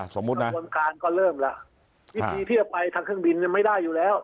ต้องการก็เริ่มแล้วพิธีแพทย์ภายทางเครื่องบินมันไม่ได้อยู่แหละ